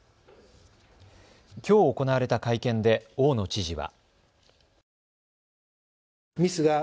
きょう行われた会見で大野知事は。